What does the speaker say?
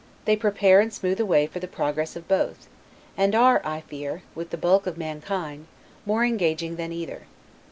They prepare and smooth the way for the progress of both; and are, I fear, with the bulk of mankind, more engaging than either.